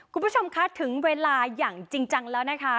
คุณผู้ชมคะถึงเวลาอย่างจริงจังแล้วนะคะ